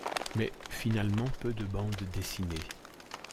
Mais finalement peu de bandes dessinées.